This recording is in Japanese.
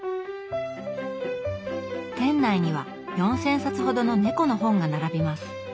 店内には４，０００冊ほどの猫の本が並びます。